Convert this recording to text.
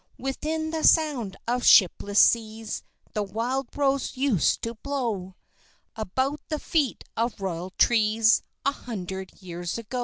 Within the sound of shipless seas The wild rose used to blow About the feet of royal trees, A hundred years ago.